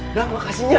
udah makasih ya